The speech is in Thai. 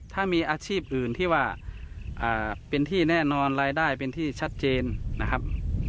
ถ้ามีอาชีพอื่นที่ว่าเป็นที่แน่นอนรายได้เป็นที่ชัดเจนนะครับ